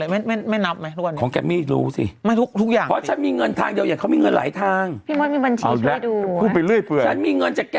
๕บาทไม่ต้องรอค่าล้มเนียมเลยนะปีหน้า